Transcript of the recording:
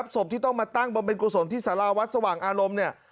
ศพที่ต้องมาตั้งบำเพ็ญกุศลที่สาราวัดสว่างอารมณ์เนี่ย